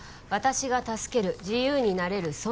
「わたしが助ける」「自由になれる」